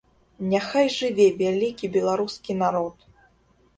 Няхай жыве вялікі беларускі народ!